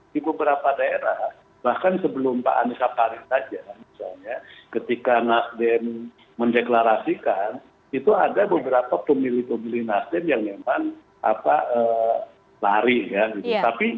di beberapa daerah bahkan sebelum pak anis sapa ari saja misalnya ketika nasden mendeklarasikan itu ada beberapa pemilih pemilih nasden yang memang lari ya